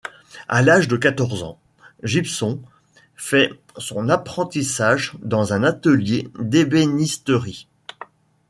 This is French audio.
À l'âge de quatorze ans, Gibson fait son apprentissage dans un atelier d'ébénisterie.